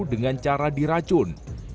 dengan cara diracun